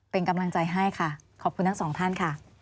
เป็นกำลังใจให้ค่ะขอบคุณทั้งสองท่านค่ะ